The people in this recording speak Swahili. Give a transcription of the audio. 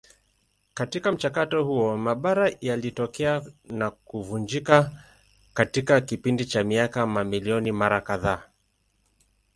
Katika mchakato huo mabara yalitokea na kuvunjika katika kipindi cha miaka mamilioni mara kadhaa.